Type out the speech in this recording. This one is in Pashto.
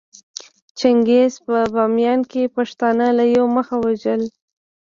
چنګېز په باميان کې پښتانه له يوه مخه ووژل